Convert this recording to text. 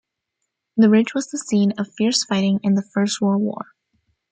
The ridge was the scene of fierce fighting in the First World War.